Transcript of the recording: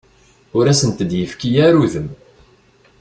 Ur asent-d-yefki ara udem.